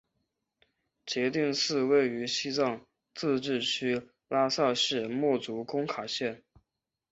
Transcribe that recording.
杰定寺位于西藏自治区拉萨市墨竹工卡县。